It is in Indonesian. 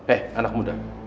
eh anak muda